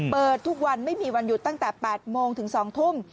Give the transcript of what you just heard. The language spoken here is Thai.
เปิดทุกวันไม่มีวันหยุดตั้งแต่๘โมงถึง๒ทุ่ม